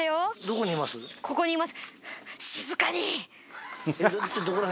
ここにいます